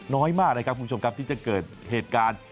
น้อยมากนะครับคุณผู้ชมครับที่จะเกิดเหตุการณ์